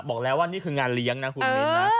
บอกแล้วว่านี่คืองานเลี้ยงนะคุณมิ้นนะ